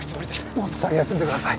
モツさん休んでください。